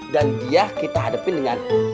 dan dia kita hadepin dengan